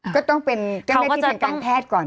ก็ต้องเป็นเจ้าหน้าที่ทางการแพทย์ก่อน